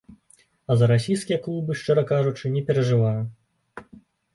А за расійскія клубы, шчыра кажучы, не перажываю.